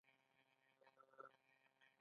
مصنوعي لغتونه به هیر شي.